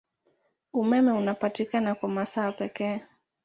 Umeme unapatikana kwa masaa pekee.